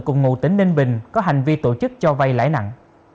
cùng ngụ tỉnh ninh bình có hành vi tổ chức cho vay lãi nặng